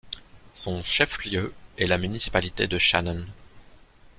Son chef-lieu est la municipalité de Shannon.